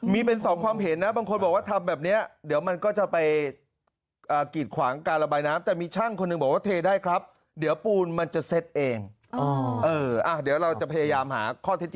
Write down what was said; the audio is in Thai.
มีเป็นสองความเห็นนะบางคนบอกว่าทำแบบเนี่ยเดี๋ยวมันก็จะไปกีดขวางการระบายน้ำ